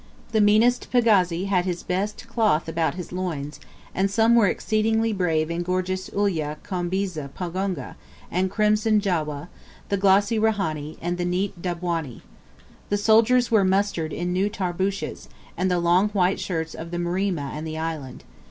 The meanest pagazi had his best cloth about his loins, and some were exceedingly brave in gorgeous Ulyah "Coombeesa Poonga" and crimson "Jawah," the glossy "Rehani," and the neat "Dabwani." The soldiers were mustered in new tarbooshes, and the long white shirts of the Mrima and the Island.